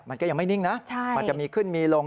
มันก็ยังไม่นิ่งนะมันจะมีขึ้นมีลง